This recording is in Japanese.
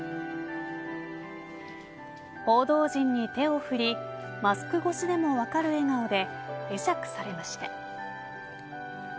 報道陣に手を振りマスク越しでも分かる笑顔で会釈されました。